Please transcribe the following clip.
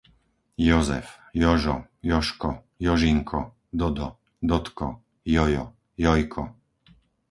Jozef, Jožo, Jožko, Jožinko, Dodo, Dodko, Jojo, Jojko